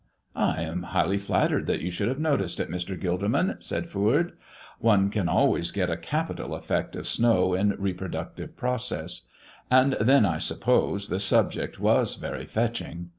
"I am highly flattered that you should have noticed it, Mr. Gilderman," said Foord. "One can always get a capital effect of snow in reproductive process. And then, I suppose, the subject was very fetching.